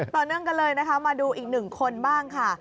ต่อเนื่องกันเลยนะคะมาดูอีกหนึ่งคนบ้างค่ะ